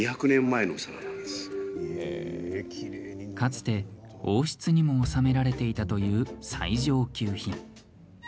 かつて王室にも納められていたという最上級品。